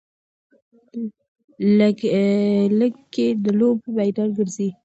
لږکي د لوبې میدان ګرځي.